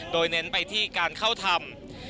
โดยเน้นไปที่การเข้าทำ